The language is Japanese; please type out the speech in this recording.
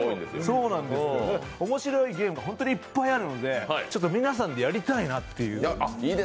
面白いゲームが本当にいっぱいあるので皆さんでやりたいなっていう。